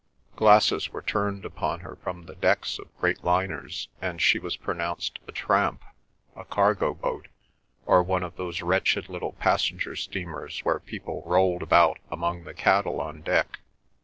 Glasses were turned upon her from the decks of great liners, and she was pronounced a tramp, a cargo boat, or one of those wretched little passenger steamers where people rolled about among the cattle on deck.